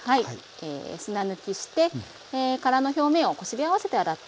砂抜きして殻の表面をこすり合わせて洗ったものですね。